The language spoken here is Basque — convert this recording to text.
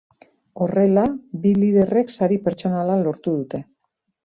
Horrela, bi liderrek sari pertsonala lortu dute.